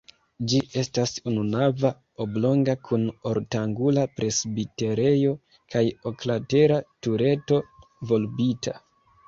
Ĝi estas ununava, oblonga kun ortangula presbiterejo kaj oklatera tureto, volbita.